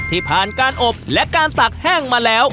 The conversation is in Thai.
ที่ผ่านการอบและการตักแห้งมาแล้ว